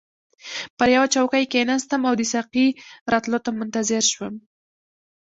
پر یوه چوکۍ کښیناستم او د ساقي راتلو ته منتظر شوم.